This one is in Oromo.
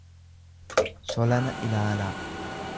solana ilaalaa.